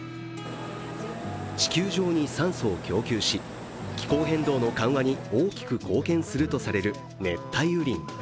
地球上に酸素を供給し気候変動の緩和に大きく貢献するとされる熱帯雨林。